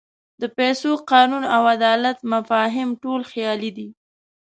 د پیسو، قانون او عدالت مفاهیم ټول خیالي دي.